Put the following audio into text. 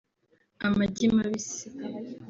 amagi mabisi